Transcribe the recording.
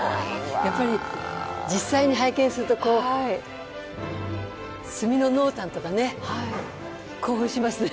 やっぱり実際に拝見するとこう墨の濃淡とかね興奮しますね。